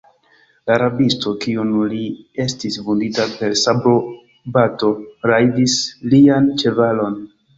La rabisto, kiun li estis vundinta per sabrobato, rajdis lian ĉevalon.